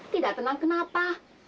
tidak tenang kenapa